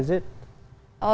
oh di seoul